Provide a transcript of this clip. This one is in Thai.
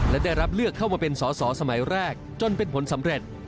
และได้รับเลือกเข้ามาเป็นสอสอสมัยแรกจนเป็นผลสำเร็จ